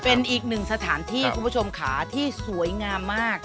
เป็นอีกหนึ่งสถานที่คุณผู้ชมค่ะที่สวยงามมาก